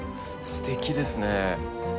すてきですね。